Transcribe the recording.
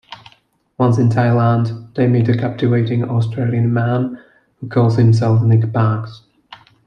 Once in Thailand, they meet a captivating Australian man who calls himself Nick Parks.